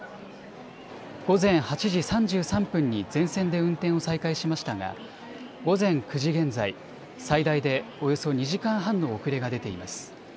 午前８時３３分に全線で運転を再開しましたが午前９時現在、最大でおよそ２時間半の遅れが出ています。